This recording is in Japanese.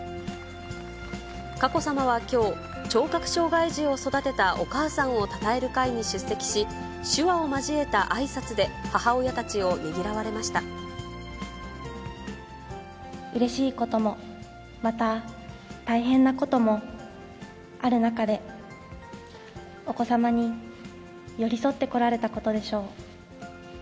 佳子さまはきょう、聴覚障害児を育てたお母さんをたたえる会に出席し、手話を交えたあいさつで、うれしいことも、また大変なこともある中で、お子様に寄り添ってこられたことでしょう。